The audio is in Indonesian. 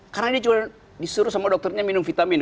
karena dia cuma disuruh sama dokternya minum vitamin